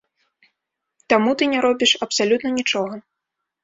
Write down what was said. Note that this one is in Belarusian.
Таму ты не робіш абсалютна нічога.